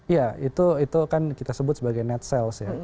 ya itu kan kita sebut sebagai net sales ya